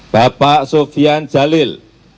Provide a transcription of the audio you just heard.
bapak sofian jalil